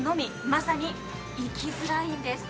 まさに行きづらいんです。